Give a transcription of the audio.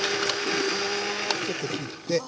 ちょっと切って。